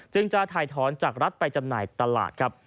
จะถ่ายถอนจากรัฐไปจำหน่ายตลาดครับ